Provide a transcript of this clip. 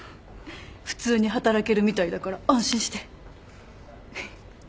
普通に働けるみたいだから安心して。